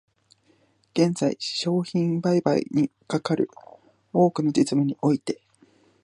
現在、商品売買にかかる多くの実務において、